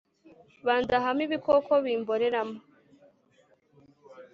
Bandohamo ibikoko Bimboreramo